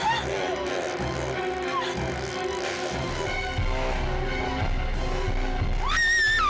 masuk kayanya aku ladu